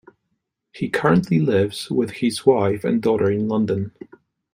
He currently lives with his wife and daughter in London.